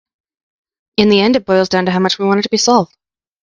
In the end it boils down to how much we want it to be solved.